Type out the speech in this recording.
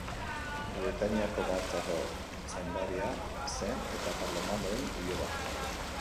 Bretainiako markako zaindaria zen, eta Karlomagnoren iloba.